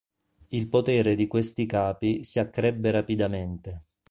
Il potere di questi capi si accrebbe rapidamente.